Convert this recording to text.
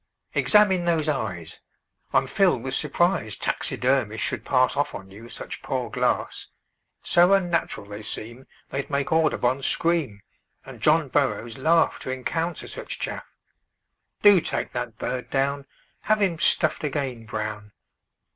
"Examine those eyes. I'm filled with surprise Taxidermists should pass Off on you such poor glass; So unnatural they seem They'd make Audubon scream, And John Burroughs laugh To encounter such chaff. Do take that bird down; Have him stuffed again, Brown!"